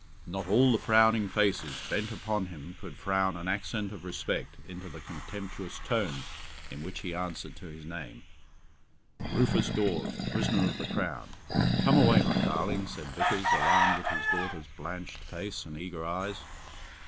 Not all the frowning faces bent upon him could frown an accent of respect into the contemptuous tones in which he answered to his name, "Rufus Dawes, prisoner of the Crown". "Come away, my darling," said Vickers, alarmed at his daughter's blanched face and eager eyes.